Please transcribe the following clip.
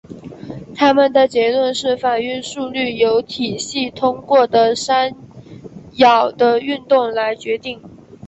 他们的结论是反应速率由体系通过山坳的运动来决定。